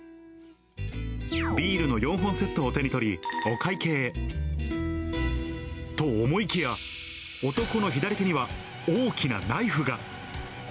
ビールの４本セットを手に取り、お会計。と思いきや、男の左手には、大きなナイフが。